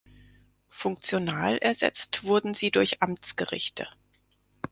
Funktional ersetzt wurden sie durch Amtsgerichte.